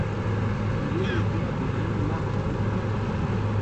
Il est le père de Louis-Marc Aubry.